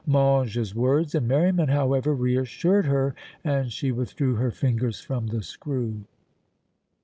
Mange's words and merriment, however, reassured her and she withdrew her fingers from the screw.